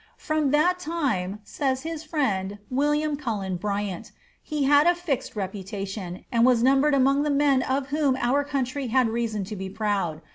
"From that time," said his friend, William Cullen Bryant, "he had a fixed reputation, and was numbered among the men of whom our country had reason to be proud.